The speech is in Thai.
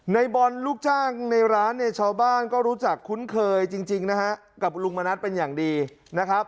ในบอลลูกจ้างในร้านเนี่ยชาวบ้านก็รู้จักคุ้นเคยจริงนะฮะกับลุงมณัฐเป็นอย่างดีนะครับ